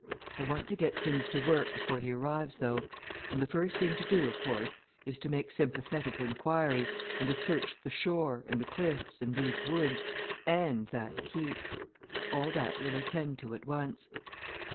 I want to get things to work before he arrives, though. And the first thing to do, of course, is to make sympathetic inquiry, and to search the shore, and the cliffs, and these woods and that Keep. All that we'll attend to at once."